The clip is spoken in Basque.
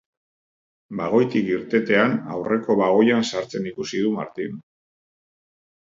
Bagoitik irtetean aurreko bagoian sartzen ikusi du Martin.